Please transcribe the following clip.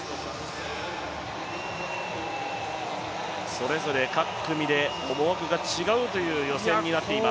それぞれ各組で思惑が違うという予選になっています。